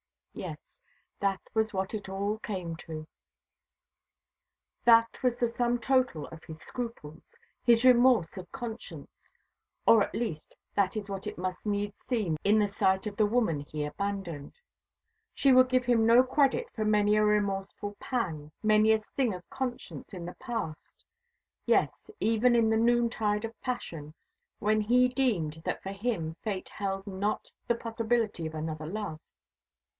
Yes, that was what it all came to. That was the sum total of his scruples, his remorse of conscience: or at least that is what it must needs seem in the sight of the woman he abandoned. She would give him no credit for many a remorseful pang, many a sting of conscience in the past; yes, even in the noontide of passion, when he deemed that for him Fate held not the possibility of another love.